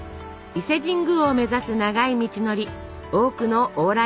伊勢神宮を目指す長い道のり多くの往来がありました。